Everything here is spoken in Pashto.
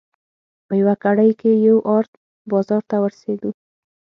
په یوه ګړۍ کې یو ارت بازار ته ورسېدو.